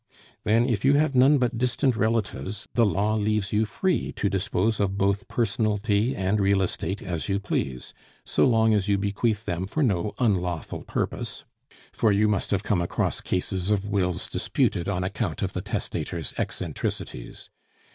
"Then, if you have none but distant relatives, the law leaves you free to dispose of both personalty and real estate as you please, so long as you bequeath them for no unlawful purpose; for you must have come across cases of wills disputed on account of the testator's eccentricities.